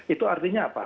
itu artinya apa